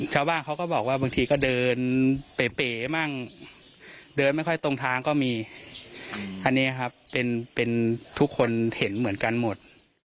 ชาวบ้านเขาก็บอกว่าบางทีก็เดินเป๋มั่งเดินไม่ค่อยตรงทางก็มีอันนี้ครับเป็นทุกคนเห็นเหมือนกันหมด